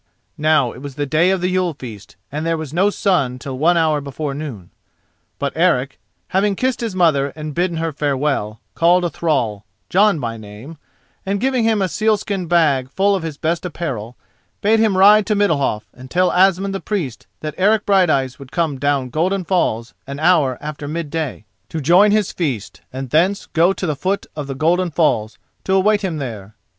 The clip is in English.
Now it was the day of the Yule feast, and there was no sun till one hour before noon. But Eric, having kissed his mother and bidden her farewell, called a thrall, Jon by name, and giving him a sealskin bag full of his best apparel, bade him ride to Middalhof and tell Asmund the Priest that Eric Brighteyes would come down Golden Falls an hour after mid day, to join his feast; and thence go to the foot of the Golden Falls, to await him there.